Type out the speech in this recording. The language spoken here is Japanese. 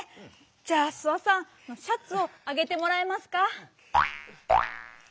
じゃあスワさんシャツを上げてもらえますか？